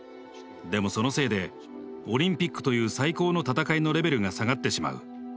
でもそのせいでオリンピックという最高の戦いのレベルが下がってしまう。